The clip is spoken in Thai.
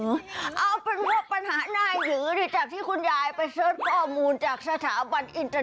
เอาเป็นของปัญหาน่าเหนือ